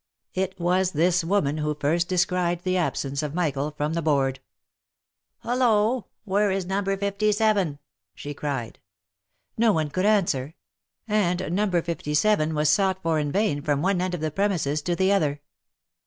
It was this woman who first descried the absence of Michael from # the board. " Hollo ! where is No. 57 V she cried. No one could answer ; and No. 57 was sought for in vain from one end of the premises to the other.